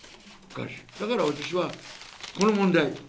だから私はこの問題。